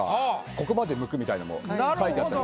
「ここまでむく」みたいなのも書いてあったり。